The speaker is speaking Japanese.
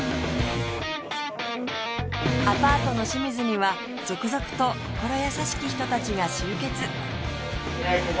アパートの清水には続々と心優しき人たちが集結